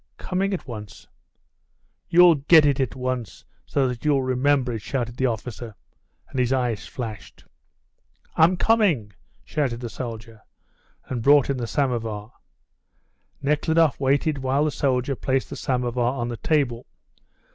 "Coming at once." "You'll get it 'at once' so that you'll remember it," shouted the officer, and his eyes flashed. "I'm coming," shouted the soldier, and brought in the somovar. Nekhludoff waited while the soldier placed the somovar on the table.